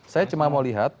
saya cuma mau lihat